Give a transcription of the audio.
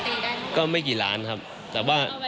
ก็ไม่กี่ล้านครับแต่ว่า